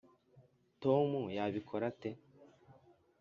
tom yabikora ate?